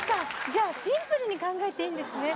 じゃあシンプルに考えていいんですね。